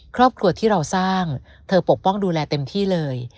ครอบครัวที่เราสร้างเธอปกป้องดูแลเต็มที่เลย